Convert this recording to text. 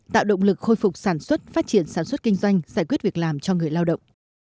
tạo động lực khôi phục sản xuất phát triển sản xuất kinh doanh giải quyết việc làm cho người lao động